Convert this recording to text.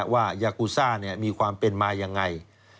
ว่ายากูซ่ามีความเป็นมายังไง